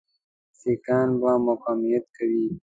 سیکهان به مقاومت کوي.